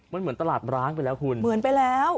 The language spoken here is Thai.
ว่าเหมือนตลาดร้านไปแล้วคุณ